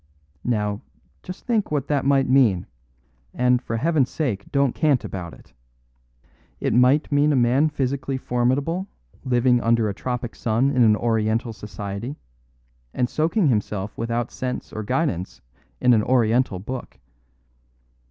Now, just think what that might mean; and, for Heaven's sake, don't cant about it. It might mean a man physically formidable living under a tropic sun in an Oriental society, and soaking himself without sense or guidance in an Oriental Book.